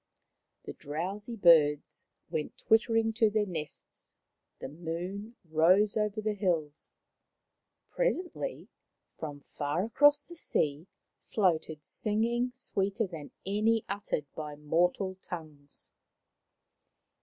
The drowsy birds went twitter ing to their nests, the moon rose over the hills. Presently, from far across the sea, floated singing sweeter than any uttered by mortal tongues.